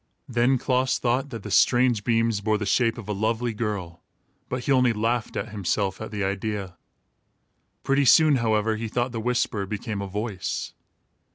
Then Klaas thought that the strange beams bore the shape of a lovely girl, but he only laughed at himself at the idea. Pretty soon, however, he thought the whisper became a voice.